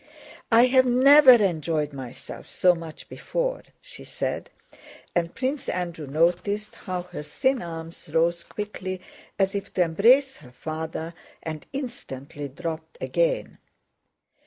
"I have never enjoyed myself so much before!" she said, and Prince Andrew noticed how her thin arms rose quickly as if to embrace her father and instantly dropped again.